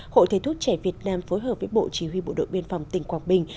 hội thầy thuốc trẻ việt nam phối hợp với bộ chỉ huy bộ đội biên phòng tỉnh quảng bình